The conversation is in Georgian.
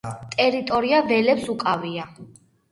ტერიტორია ველებს უკავია.